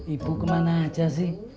ibu kemana aja sih